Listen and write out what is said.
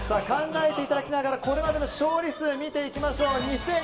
考えていただきながらこれまでの勝利数を見ていきましょう。